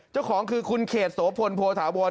เจ้าของคือคุณเขตโสพลโพธาวร